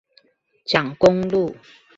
蔣公路